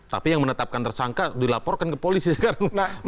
tapi yang menetapkan tersangka dilaporkan ke polisi sekarang